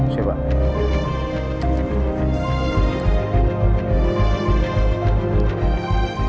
terima kasih pak